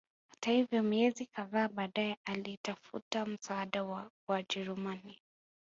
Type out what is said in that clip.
Hata hivyo miezi kadhaa baadae alitafuta msaada wa Wajerumani